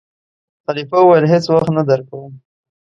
خلیفه وویل: هېڅ وخت نه درکووم.